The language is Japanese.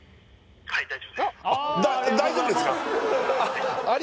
あっ大丈夫ですか？